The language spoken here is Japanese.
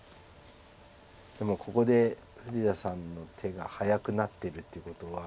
でもここで富士田さんの手が早くなってるってことは。